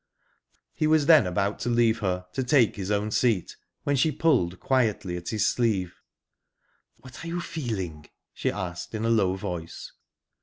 He was then about to leave her, to take his own seat, when she pulled quietly at his sleeve. "What are you feeling?" she asked in a low voice.